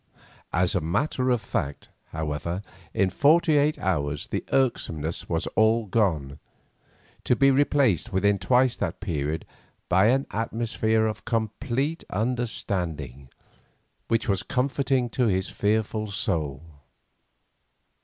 As a matter of fact, however, in forty eight hours the irksomeness was all gone, to be replaced within twice that period by an atmosphere of complete understanding, which was comforting to his fearful soul.